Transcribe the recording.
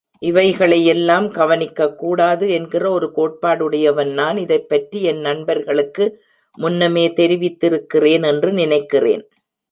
இவைகளை யெல்லாம் கவனிக்கக்கூடாது என்கிற ஒரு கோட்பாடுடையவன் நான் இதைப்பற்றி என் நண்பர்களுக்கு முன்னமே தெரிவித்திருக்கிறேன் என்று நினைக்கிறேன்.